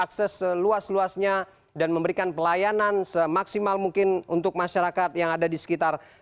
akses seluas luasnya dan memberikan pelayanan semaksimal mungkin untuk masyarakat yang ada di sekitar